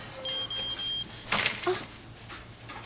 あっ。